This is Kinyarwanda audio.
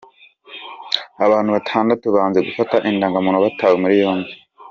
Abantu Batandatu banze gufata Indangamuntu batawe muri yombi